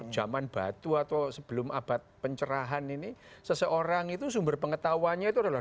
zaman batu atau sebelum abad pencerahan ini seseorang itu sumber pengetahuannya itu adalah